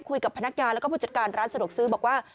คุยกับพนักงานแล้วก็ผู้จัดการร้านสะดวกซื้อบอกว่า